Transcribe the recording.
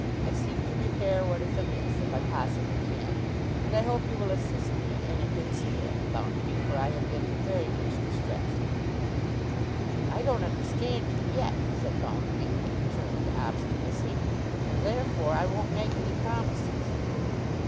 I seek to repair what is amiss, if I possibly can; and I hope you will assist me in a good spirit, Bounderby, for I have been very much distressed.' 'I don't understand you, yet,' said Bounderby, with determined obstinacy, 'and therefore I won't make any promises.